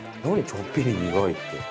ちょっぴり苦いって。